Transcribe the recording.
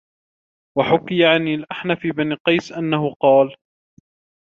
وَحُكِيَ عَنْ الْأَحْنَفِ بْنِ قَيْسٍ أَنَّهُ قَالَ